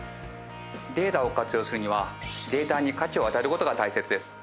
データを活用するにはデータに価値を与える事が大切です。